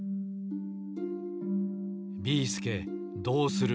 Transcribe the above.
ビーすけどうする！？